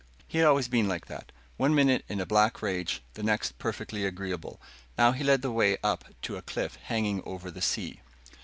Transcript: He had always been like that one minute in a black rage, the next perfectly agreeable. He now led the way up to a cliff hanging over the sea.